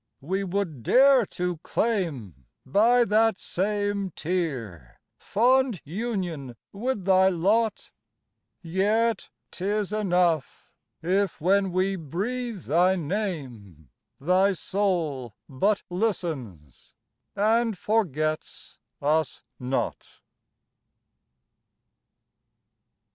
we would dare to claim By that same tear fond union with thy lot; Yet 'tis enough, if when we breathe thy name Thy soul but listens, and forgets us not.